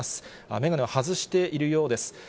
眼鏡を外しているようです。